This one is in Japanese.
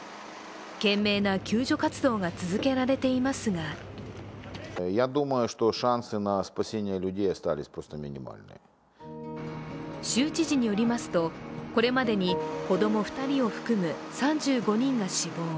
懸命な救助活動が続けられていますが州知事によりますとこれまでに子供２人を含む３５人が死亡。